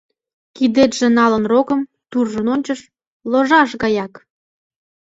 Кидетше налын рокым, туржын ончыш, — ложаш гаяк!..